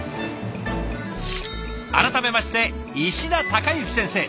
改めまして石田孝之先生。